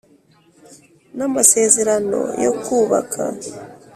n amasezerano yo kubaka